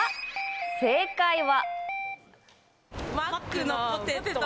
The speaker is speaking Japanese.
正解は。